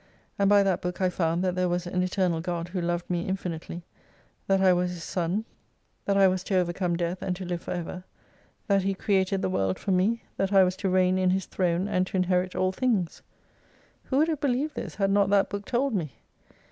And by that book I found that there was an eternal God, who loved me infinitely, that I was His son, that I was to overcome death and to live for ever, that He created the world for me, that I was to reign in His throne and to inherit all things, Who would have believed this had not that Book told me